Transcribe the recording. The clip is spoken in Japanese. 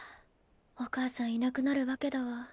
お母さんいなくなるわけだわ。